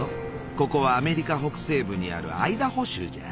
ここはアメリカ北西部にあるアイダホ州じゃ。